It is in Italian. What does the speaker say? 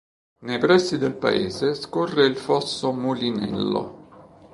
Nei pressi del paese scorre il fosso Mulinello.